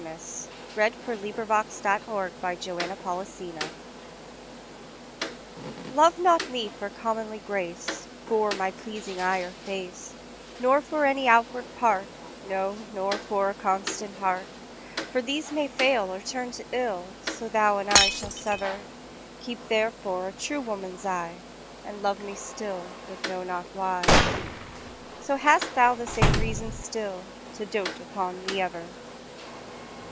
The Harvard Classics. 1909–14. Anonymous 192. Love Not Me LOVE not me for comely grace, For my pleasing eye or face, Nor for any outward part, No, nor for my constant heart,—For those may fail, or turn to ill, So thou and I shall sever:Keep therefore a true woman's eye, And love me still, but know not why—So hast thou the same reason stillTo doat upon me ever!